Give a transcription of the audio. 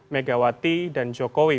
megawati dan jokowi